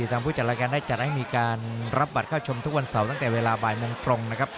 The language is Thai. ทางผู้จัดรายการได้จัดให้มีการรับบัตรเข้าชมทุกวันเสาร์ตั้งแต่เวลาบ่ายโมงตรงนะครับ